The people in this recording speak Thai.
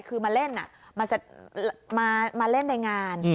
คือมาเล่นในงาน